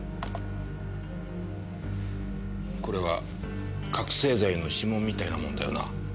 これは覚せい剤の指紋みたいなもんだよな？